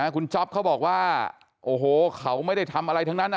คุณจ๊อปเขาบอกว่าโอ้โหเขาไม่ได้ทำอะไรทั้งนั้น